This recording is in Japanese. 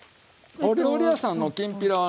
お料理屋さんのきんぴらはね